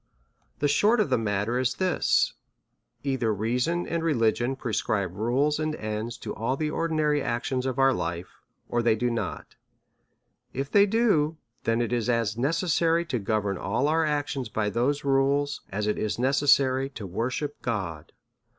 The short of the matter is this — either reason and religion prescribe rules and ends to all the ordinary actions of our life, or they do not : if they do, then it is as necessary to govern all our actions by those rules as it is necessary to worship God.